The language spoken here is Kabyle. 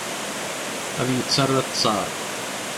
Ad yettarra ttaṛ.